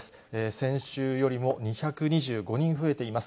先週よりも２２５人増えています。